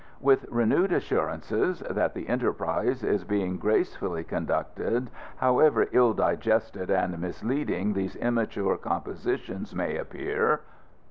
With renewed assurances that the enterprise is being gracefully conducted, however ill digested and misleading these immature compositions may appear.